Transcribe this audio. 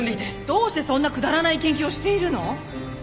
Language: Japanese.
どうしてそんなくだらない研究をしているの？